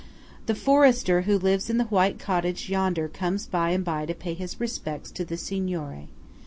The forester who lives in the white cottage yonder comes by and by to pay his respects to the Signore.